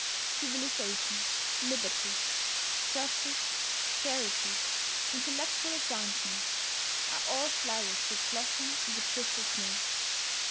Civilization, liberty, justice, charity, intellectual advancement, are all flowers that blossom in the drifted snow.